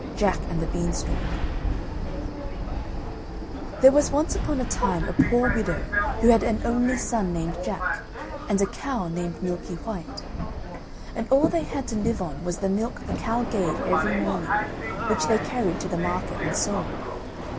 JACK AND THE BEANSTALK There was once upon a time a poor widow who had an only son named Jack, and a cow named Milky white. And all they had to live on was the milk the cow gave every morning which they carried to the market and sold.